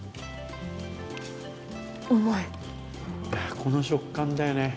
この食感だよね。